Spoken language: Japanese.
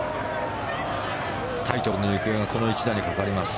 タイトルの行方はこの一打にかかります。